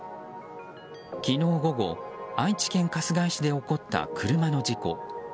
昨日午後、愛知県春日井市で起こった車の事故。